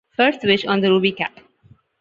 First wish on the ruby cap.